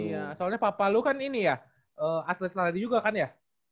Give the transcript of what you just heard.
iya soalnya pak palu kan ini ya atlet lari juga kan ya